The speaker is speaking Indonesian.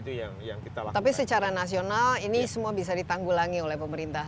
tapi secara nasional ini semua bisa ditanggulangi oleh pemerintah